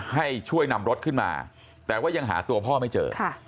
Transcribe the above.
ให้ช่วยนำรถขึ้นมาแต่ว่ายังหาตัวพ่อไม่เจอ